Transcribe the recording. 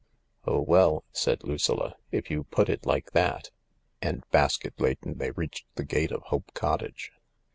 " Oh well," said Lucilla, "if you put it like that ..." and, basket laden, they reached the gate of Hope Cottage.